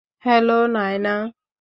Hello, Naina.